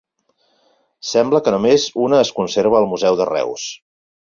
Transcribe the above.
Sembla que només una es conserva al Museu de Reus.